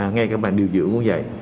ngay cả bàn điều dưỡng cũng vậy